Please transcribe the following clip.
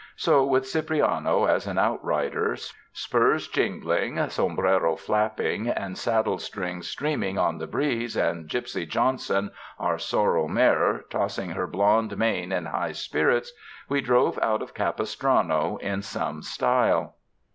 So with Cipriano as an outrider, spurs jingling, som brero flapping, and saddle strings streaming on the breeze, and Gypsy Johnson, our sorrel mare, tossing her blond mane in high spirits, we drove out of Capistrano in some style.